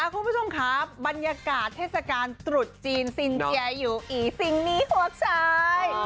คุณผู้ชมครับบรรยากาศเทศกาลตรุษจีนซินเจียอยู่อีซิงนี้หัวชาย